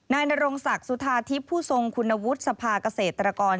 นายนรงศักดิ์สุธาทิพย์ผู้ทรงคุณวุฒิสภาเกษตรกร